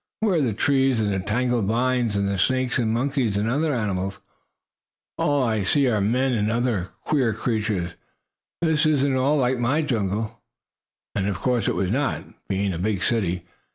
"Where are the trees and the tangled vines and the snakes and monkeys and other animals? All I see are men and other queer creatures. This isn't at all like my jungle!" And of course it was not, being a big city.